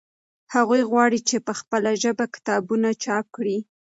هغوی غواړي چې په خپله ژبه کتابونه چاپ کړي.